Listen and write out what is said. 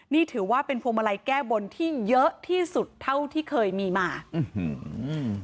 นี่ถือว่าเป็นพวงมาลัยแก้บนที่เยอะที่สุดเท่าที่เคยมีมาอื้อหืออืม